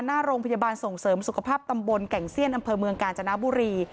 หน้าโรงพยาบาลส่งเสริมสุขภาพตำบลแก่งเซียนอำเภอเมืองกาญจนบุรี